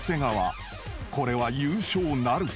［これは優勝なるか？］